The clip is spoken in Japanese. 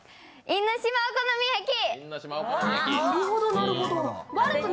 因島お好み焼き！